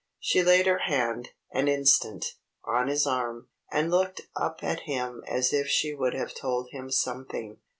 She laid her hand, an instant, on his arm, and looked up at him as if she would have told him something.